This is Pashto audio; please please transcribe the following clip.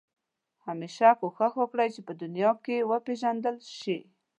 همېشه کوښښ وکړه چې په دنیا کې وپېژندل شې.